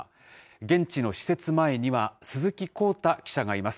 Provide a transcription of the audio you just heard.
現地の施設前には、鈴木康太記者がいます。